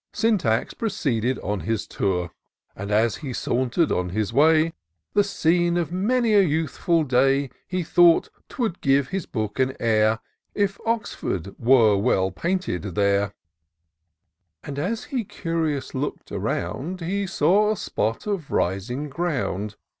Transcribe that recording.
Syntax proceeded on his Tour ; And, as he saunter'd on his way, The scene of many a youthful day, IN SEARCH OF THE PICTURESQUE. 55 He thought 'twould give his book an air, If Oxford were well painted there ; And, as he curious look'd around, He saw a spot of rising ground.